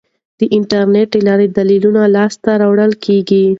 د انټرنیټ له لارې دلیلونه لاسته راوړل کیږي.